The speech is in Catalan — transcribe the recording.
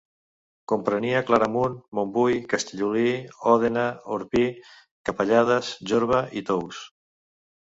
Comprenia Claramunt, Montbui, Castellolí, Òdena, Orpí, Capellades, Jorba i Tous.